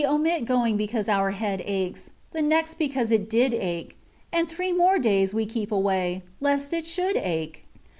omit going because our head aches^ the next be cause it did ache, and three more days we keep away, lest it should ache